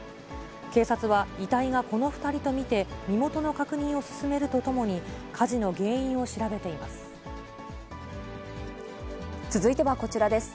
警察は遺体がこの２人と見て、身元の確認を進めるとともに、続いてはこちらです。